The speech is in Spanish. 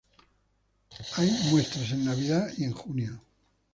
Hay muestras en Navidad y en junio.